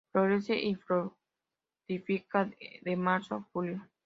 Florece y fructifica de Marzo a Julio.